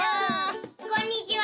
こんにちは！